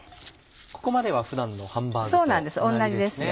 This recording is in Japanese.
ここまでは普段のハンバーグと同じですね。